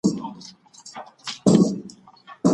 هيڅوک حق نلري چي ازاد انسان وپلوري.